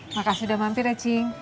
makasih udah mampir eci